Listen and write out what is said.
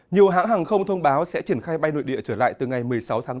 nhiều hãng hàng không thông báo sẽ triển khai bay nội địa trở lại từ ngày một mươi sáu tháng bốn